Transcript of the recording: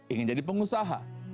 ingin jadi pengusaha